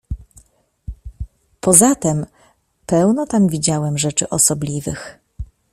"Poza tem pełno tam widziałem rzeczy osobliwych."